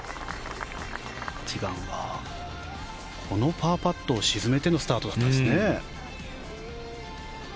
１番はこのパーパットを沈めてのスタートだったんですね。